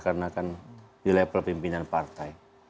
karena kan di level pimpinan partai